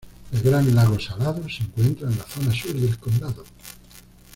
El Gran Lago Salado se encuentra en la zona Sur del condado.